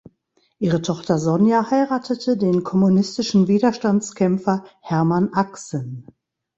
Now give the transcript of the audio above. Ihre Tochter Sonja heiratete den kommunistischen Widerstandskämpfer Hermann Axen.